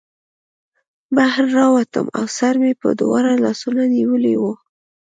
بهر راووتم او سر مې په دواړو لاسونو نیولی و